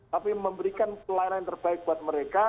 tapi memberikan pelayanan yang terbaik buat mereka